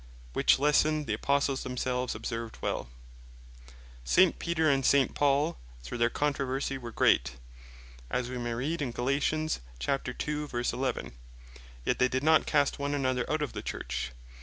Which Lesson the Apostles themselves observed well. S. Peter and S. Paul, though their controversie were great, (as we may read in Gal. 2.11.) yet they did not cast one another out of the Church.